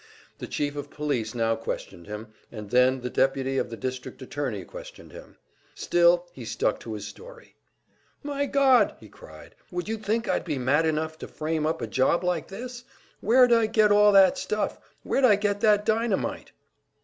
The Chief of Police now questioned him, and then the deputy of the district attorney questioned him; still he stuck to his story. "My God!" he cried. "Would you think I'd be mad enough to frame up a job like this? Where'd I get all that stuff? Where'd I get that dynamite?"